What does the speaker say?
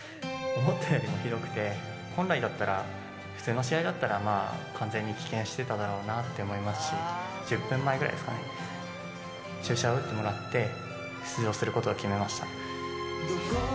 思ったよりもひどくて、本来だったら、普通の試合だったら、完全に棄権してただろうなって思いますし、１０分前くらいですかね、注射を打ってもらって、出場することを決めました。